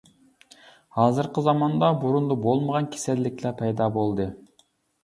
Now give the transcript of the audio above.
ھازىرقى زاماندا بۇرۇندا بولمىغان كېسەللىكلەر پەيدا بولدى.